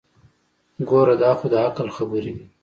ګوره دا خو دعقل خبرې دي.